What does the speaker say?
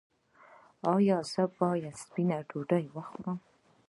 ایا زه باید سپینه ډوډۍ وخورم؟